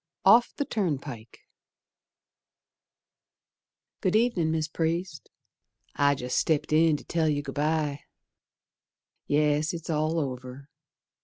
Off the Turnpike Good ev'nin', Mis' Priest. I jest stepped in to tell you Good bye. Yes, it's all over.